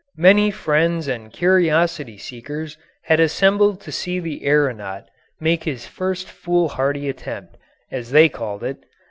Many friends and curiosity seekers had assembled to see the aeronaut make his first foolhardy attempt, as they called it.